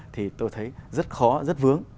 thì tôi thấy rất khó rất vướng